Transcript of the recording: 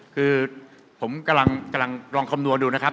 คือผมกำลังลองคำนวณดูนะครับ